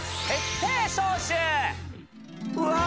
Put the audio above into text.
うわ！